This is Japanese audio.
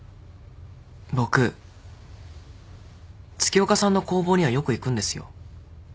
僕月岡さんの工房にはよく行くんですよ。